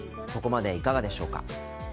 ここまでいかがでしょうか？